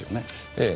ええ。